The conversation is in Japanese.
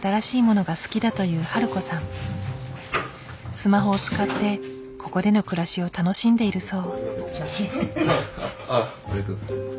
スマホを使ってここでの暮らしを楽しんでいるそう。